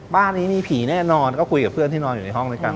บ้านนี้มีผีแน่นอนก็คุยกับเพื่อนที่นอนอยู่ในห้องด้วยกัน